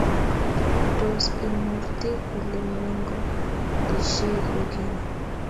Tos, imurti kole mengolishei kogeny?